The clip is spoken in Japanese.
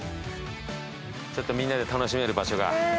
ちょっとみんなで楽しめる場所が。